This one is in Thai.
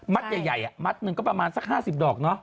ใหญ่มัดหนึ่งก็ประมาณสัก๕๐ดอกเนาะ